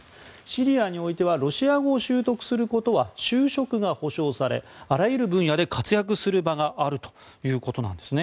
シリアにおいてはロシア語を習得することは就職が保証されあらゆる分野で活躍する場があるということなんです。